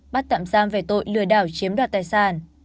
bắt tạm giam về tội lừa đảo chiếm đoạt tài sản